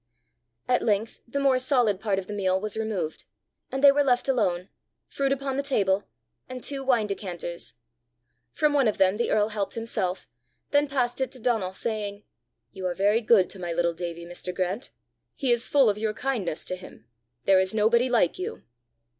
At length the more solid part of the meal was removed, and they were left alone, fruit upon the table, and two wine decanters. From one of them the earl helped himself, then passed it to Donal, saying, "You are very good to my little Davie, Mr. Grant! He is full of your kindness to him. There is nobody like you!"